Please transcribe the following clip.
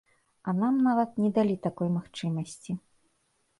А нам нават не далі такой магчымасці.